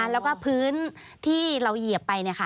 แล้วก็พื้นที่เราเหยียบไป